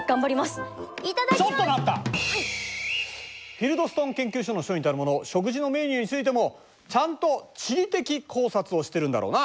フィルドストン研究所の所員たるもの食事のメニューについてもちゃんと地理的考察をしているんだろうな？